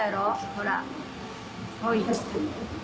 ほら。ほい。